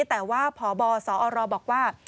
แต่ว่าพบสอรบอกว่า